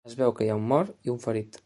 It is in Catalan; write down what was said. Es veu que hi ha un mort i un ferit.